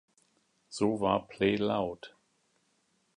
So war play loud!